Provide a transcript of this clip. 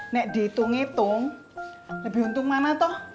nek dihitung hitung lebih untung mana toh